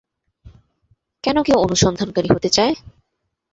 কেন কেউ অনুসন্ধানকারী হতে চায়?